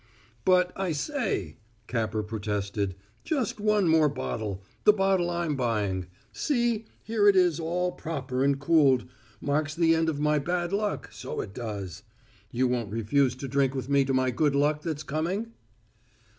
"But, I say!" Capper protested. "Just one more bottle the bottle I'm buying. See, here it is all proper and cooled. Marks the end of my bad luck, so it does. You won't refuse to drink with me to my good luck that's coming?"